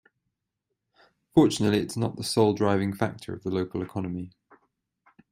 Fortunately its not the sole driving factor of the local economy.